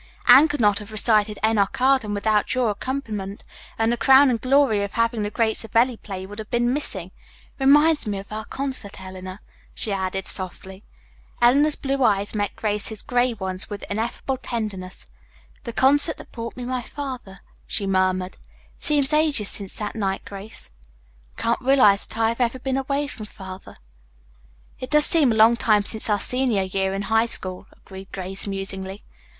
Anne could not have recited 'Enoch Arden,' without your accompaniment, and the crowning glory of having the great Savelli play would have been missing. It reminds me of our concert, Eleanor," she added softly. Eleanor's blue eyes met Grace's gray ones with ineffable tenderness. "The concert that brought me my father," she murmured. "It seems ages since that night, Grace. I can't realize that I have ever been away from Father." "It does seem a long time since our senior year in high school," agreed Grace musingly.